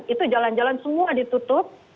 itu jalan jalan semua ditutup